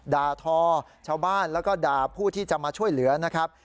ด่าทอชาวบ้านแล้วก็ด่าผู้ที่จะมาช่วยเหลือนะครับ